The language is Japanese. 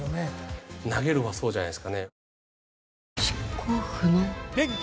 投げるほうはそうじゃないですかね。